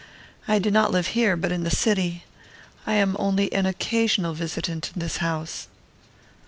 I do not live here, but in the city. I am only an occasional visitant in this house."